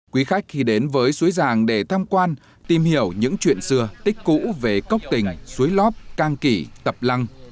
quý khách khi đến với suối giàng để tham quan tìm hiểu những chuyện xưa tích cũ về cốc tình suối lóp cang kỳ tập lăng